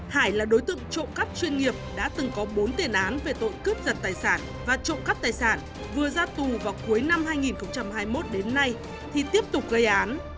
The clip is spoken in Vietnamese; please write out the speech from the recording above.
hải là đối tượng trộm cắp chuyên nghiệp đã từng có bốn tiền án về tội cướp giật tài sản và trộm cắp tài sản vừa ra tù vào cuối năm hai nghìn hai mươi một đến nay thì tiếp tục gây án